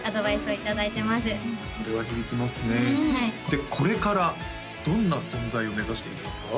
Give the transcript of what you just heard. はいでこれからどんな存在を目指していきますか？